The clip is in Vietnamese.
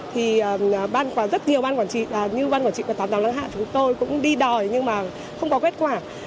thì rất nhiều ban quản trị như ban quản trị của tòa giáo lãng hạ chúng tôi cũng đi đòi nhưng mà không có kết quả